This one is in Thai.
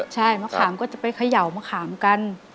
ใช่มะขามก็จะไปเขย่ามะขามกัน